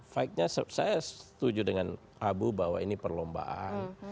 fight nya saya setuju dengan abu bahwa ini perlombaan